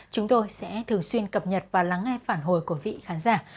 chúng tôi sẽ thường xuyên cập nhật và lắng nghe phản hồi của vị khán giả